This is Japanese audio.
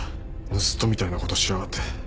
盗っ人みたいなことしやがって。